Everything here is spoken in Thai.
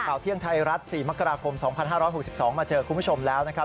เที่ยงไทยรัฐ๔มกราคม๒๕๖๒มาเจอคุณผู้ชมแล้วนะครับ